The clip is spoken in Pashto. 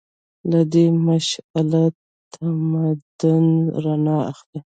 له دې مشعله تمدن رڼا اخلي.